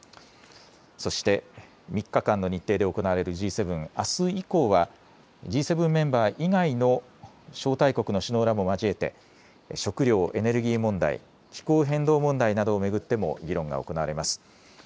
そして３日間の日程で行われるＧ７、あす以降はＧ７メンバー以外の招待国の首脳らも交えて食料・エネルギー問題、気候変動問題などを巡っても議論が行われます。